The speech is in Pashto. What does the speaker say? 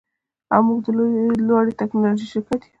او موږ د لوړې ټیکنالوژۍ شرکت یو